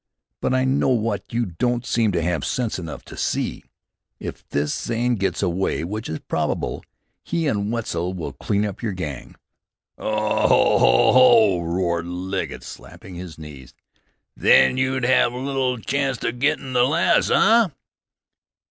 "But I know what you don't seem to have sense enough to see. If this Zane gets away, which is probable, he and Wetzel will clean up your gang." "Haw! haw! haw!" roared Legget, slapping his knees. "Then you'd hev little chanst of gittin' the lass, eh?"